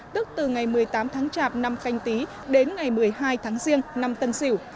tức từ ngày một mươi tám tháng chạp năm canh tí đến ngày một mươi hai tháng riêng năm tân sửu